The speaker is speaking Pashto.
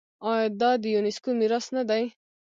آیا دا د یونیسکو میراث نه دی؟